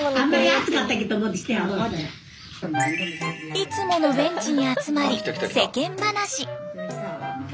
いつものベンチに集まり世間話。